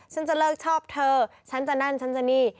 ฉันจะเลิกชอบเธอฉันจะนั่นฉันจะนี่